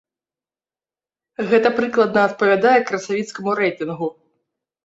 Гэта прыкладна адпавядае красавіцкаму рэйтынгу.